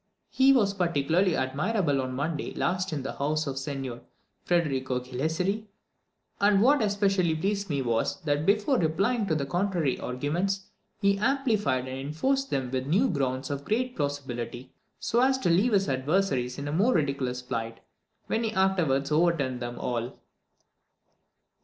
He was particularly admirable on Monday last in the house of Signor Frederico Ghisilieri; and what especially pleased me was, that before replying to the contrary arguments, he amplified and enforced them with new grounds of great plausibility, so as to leave his adversaries in a more ridiculous plight, when he afterwards overturned them all."